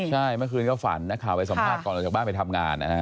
ใช่เมื่อคืนก็ฝันนักข่าวไปสัมภาษณ์ก่อนออกจากบ้านไปทำงานนะฮะ